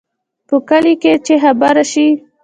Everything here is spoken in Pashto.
په کلي کې چې خبره شي،